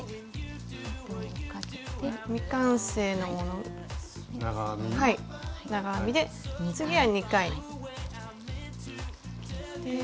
未完成の長編みで次は２回。